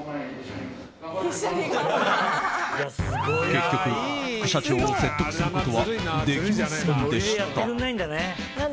結局、副社長を説得することはできませんでした。